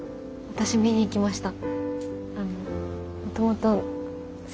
２回見に行きました。